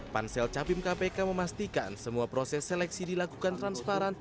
pansel capim kpk memastikan semua proses seleksi dilakukan transparan